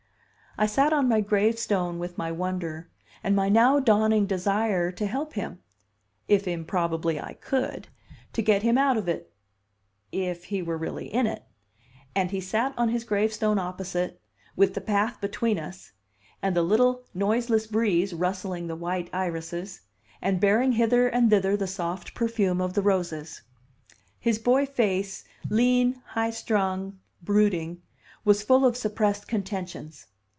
I sat on my gravestone with my wonder, and my now dawning desire to help him (if improbably I could), to get him out of it, if he were really in it; and he sat on his gravestone opposite, with the path between us, and the little noiseless breeze rustling the white irises, and bearing hither and thither the soft perfume of the roses. His boy face, lean, high strung, brooding, was full of suppressed contentions.